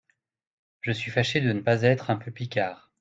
Je suis fâché de ne pas être un peu Picard !